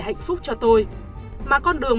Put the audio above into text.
hạnh phúc cho tôi mà con đường